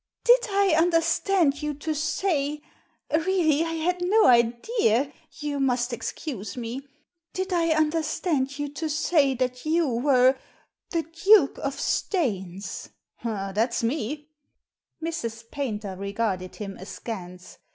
" Did I understand you to say Really, I had no idea — you must excuse me. Did I understand you to say that you were — the Duke of Staines ?" "That's me." Mrs. Paynter regarded him askance.